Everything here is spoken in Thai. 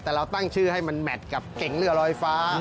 แต่เราตั้งชื่อให้มันแมทกับเก่งเรือลอยฟ้า